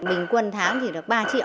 bình quân tháng thì được ba triệu